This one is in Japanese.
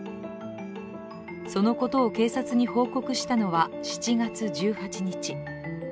そのことを警察に報告したのは７月１８日。